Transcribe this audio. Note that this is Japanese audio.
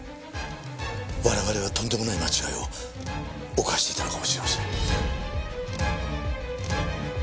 我々はとんでもない間違いを犯していたのかもしれません。